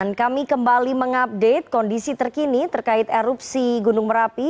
dan kami kembali mengupdate kondisi terkini terkait erupsi gunung merapi